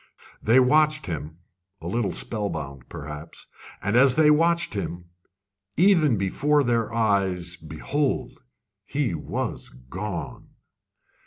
They watched him a little spellbound, perhaps; and as they watched him, even before their eyes behold, he was gone!